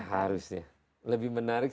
harusnya lebih menarik